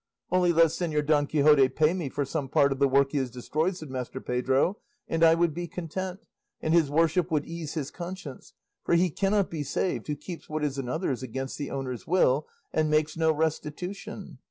"Only let Señor Don Quixote pay me for some part of the work he has destroyed," said Master Pedro, "and I would be content, and his worship would ease his conscience, for he cannot be saved who keeps what is another's against the owner's will, and makes no restitution."